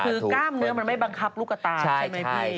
คือกล้ามเนื้อมันไม่บังคับลูกตาใช่ไหมพี่